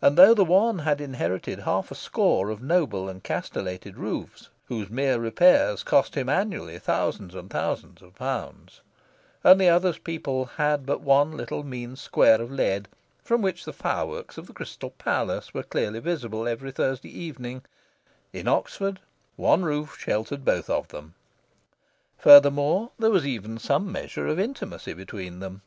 and though the one had inherited half a score of noble and castellated roofs, whose mere repairs cost him annually thousands and thousands of pounds, and the other's people had but one little mean square of lead, from which the fireworks of the Crystal Palace were clearly visible every Thursday evening, in Oxford one roof sheltered both of them. Furthermore, there was even some measure of intimacy between them.